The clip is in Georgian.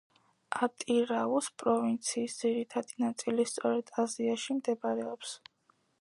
ატირაუს პროვინციის ძირითადი ნაწილი სწორედ აზიაში მდებარეობს.